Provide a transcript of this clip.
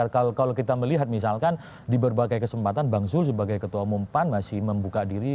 kalau kita melihat misalkan di berbagai kesempatan bang zul sebagai ketua umum pan masih membuka diri